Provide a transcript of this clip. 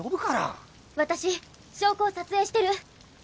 私証拠を撮影してる。